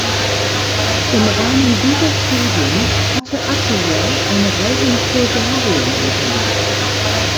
Im Rahmen dieser Studien hatte Atiyah eine Reise nach Bulgarien unternommen.